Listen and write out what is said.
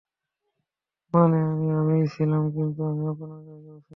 মানে, আমি আমিই ছিলাম, কিন্তু আমি আপনার জায়গায়ও ছিলাম।